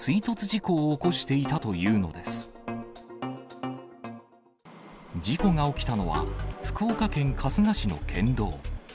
事故が起きたのは、福岡県春日市の県道。